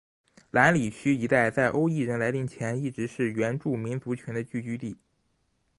兰里区一带在欧裔人来临前一直是原住民族群的聚居地。